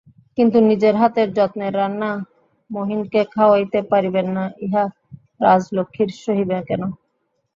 কিন্তু নিজের হাতের যত্নের রান্না মহিনকে খাওয়াইতে পারিবেন না, ইহা রাজলক্ষ্মীর সহিবে কেন।